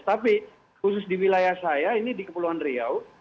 tapi khusus di wilayah saya ini di kepulauan riau